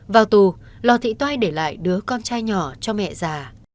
vào tù lò thị toai để lại đứa con trai nhỏ cho mẹ già